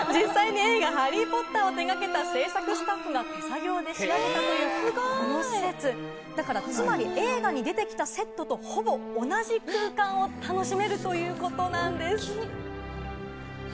実際に『ハリー・ポッター』の映画を手がけたスタッフが手作業で作ったこの施設、つまり映画に出てきたセットとほぼ同じ空間を楽しめるということなんです。